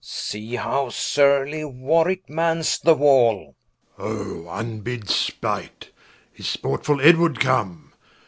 See how the surly Warwicke mans the Wall War. Oh vnbid spight, is sportfull Edward come?